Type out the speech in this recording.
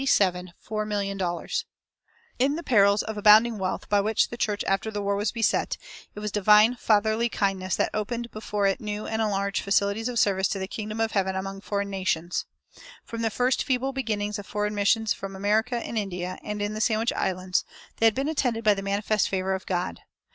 [358:1] In the perils of abounding wealth by which the church after the war was beset, it was divine fatherly kindness that opened before it new and enlarged facilities of service to the kingdom of heaven among foreign nations. From the first feeble beginnings of foreign missions from America in India and in the Sandwich Islands, they had been attended by the manifest favor of God.